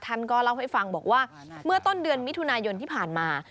ท่านก็เล่าให้ฟังบอกว่าเมื่อต้นเดือนมิถุนายนที่ผ่านมา